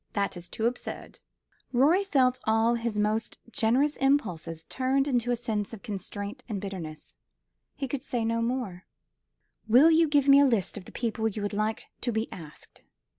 That is too absurd." Rorie felt all his most generous impulses turned to a sense of constraint and bitterness. He could say no more. "Will you give me a list of the people you would like to be asked?"